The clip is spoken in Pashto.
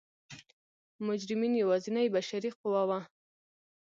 مجرمین یوازینۍ بشري قوه وه.